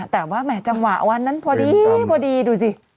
แต่ว่าจังหวะวันนั้นพอดีดูสิ